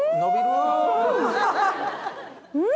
うん！